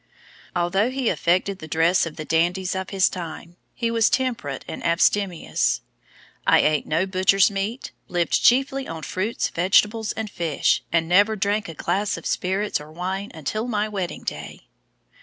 Although he affected the dress of the dandies of his time, he was temperate and abstemious. "I ate no butcher's meat, lived chiefly on fruits, vegetables, and fish, and never drank a glass of spirits or wine until my wedding day."